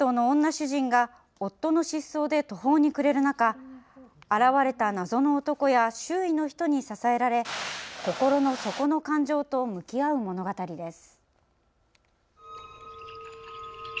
主人が夫の失踪で途方に暮れる中現れた謎の男や周囲の人に支えられ心の底の感情と向き合う物語です。